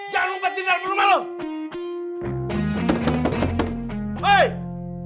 jangan mumpet di dalam rumah lu